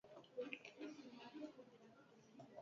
Besteak beste, kalejira bat eta asanblea bat egingo dituzte.